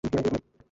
কিন্তু কিভাবে?